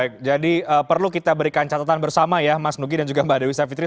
baik jadi perlu kita berikan catatan bersama ya mas nugi dan juga mbak dewi savitri